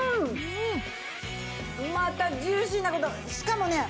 またジューシーなことしかもね